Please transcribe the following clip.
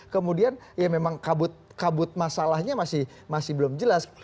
kemudian ya memang kabut masalahnya masih belum jelas